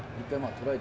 トライ！